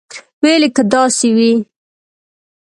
ویل یې که داسې وي.